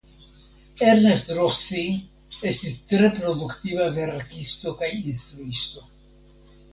Ernest Rossi estis tre produktiva verkisto kaj instruisto.